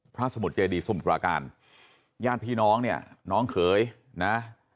สมุทรเจดีสมุทราการญาติพี่น้องเนี่ยน้องเขยนะ